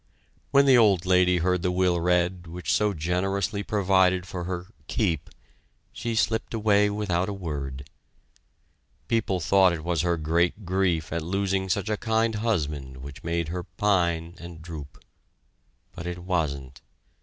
When the old lady heard the will read which so generously provided for her "keep," she slipped away without a word. People thought it was her great grief at losing such a kind husband which made her pine and droop. But it wasn't.